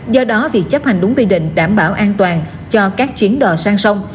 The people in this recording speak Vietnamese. do đó việc chấp hành đúng quy định đảm bảo an toàn cho các chuyến đò sang sông